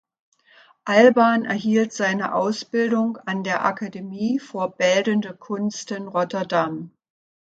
Alban erhielt seine Ausbildung an der Academie voor Beeldende Kunsten Rotterdam.